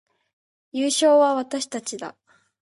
優勝は私たちだ